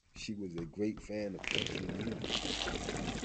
She was a great fan of country music